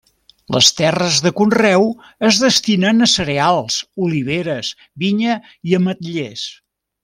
Les terres de conreu es destinen a cereals, oliveres, vinya i ametllers.